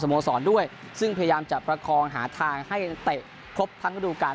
สโมสรด้วยซึ่งพยายามจะประคองหาทางให้นักเตะพบทั้งวัตถุการณ์